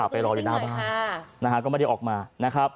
ประโยชน์อิลินย์